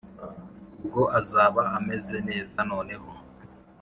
ubwo azaba ameze neza Noneho